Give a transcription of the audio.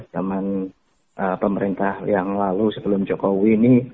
zaman pemerintah yang lalu sebelum jokowi ini